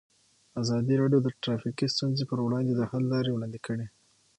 ازادي راډیو د ټرافیکي ستونزې پر وړاندې د حل لارې وړاندې کړي.